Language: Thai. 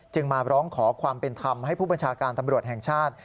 มาร้องขอความเป็นธรรมให้ผู้บัญชาการตำรวจแห่งชาติ